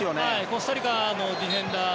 コスタリカのディフェンダー